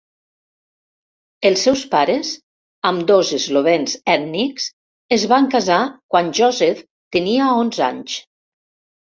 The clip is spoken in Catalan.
Els seus pares, ambdós eslovens ètnics, es van casar quan Josef tenia onze anys.